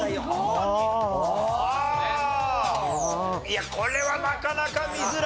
いやこれはなかなか見づらい。